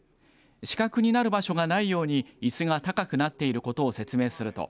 死角になる場所がないようにいすが高くなっていることを説明すると